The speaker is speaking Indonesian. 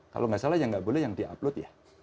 kalau enggak salah yang enggak boleh yang di upload ya